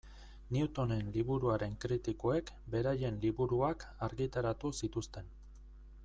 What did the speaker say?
Newtonen liburuaren kritikoek beraien liburuak argitaratu zituzten.